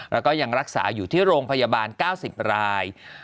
แล้วก็ยังรักษาอยู่ที่โรงพยาบาล๙๐ราย